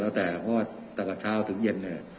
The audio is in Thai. แล้วแต่ว่าตั้งแต่เช้าถึงเย็น